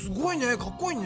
かっこいいね！